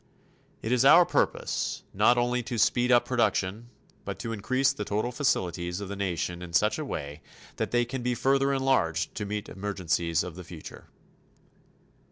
It is our purpose not only to speed up production but to increase the total facilities of the nation in such a way that they can be further enlarged to meet emergencies of the future.